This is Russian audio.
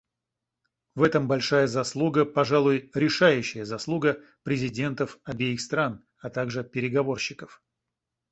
В этом большая заслуга, пожалуй решающая заслуга, президентов обеих стран, а также переговорщиков.